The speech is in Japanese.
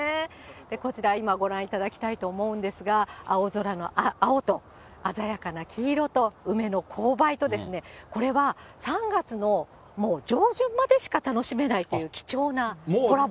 こちら、今ご覧いただきたいと思うんですが、青空の青と鮮やかな黄色と、梅の紅梅と、これは３月のもう上旬までしか楽しめないという貴重なコラボ。